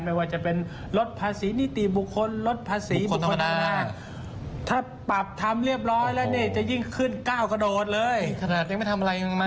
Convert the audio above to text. แม้ว่าจะเป็นลดภาษีนิติบุคคลลดภาษีบุคคลธรรมดา